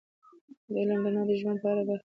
د علم رڼا د ژوند په هره برخه کې لازم دی.